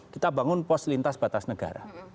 kita bangun pos lintas batas negara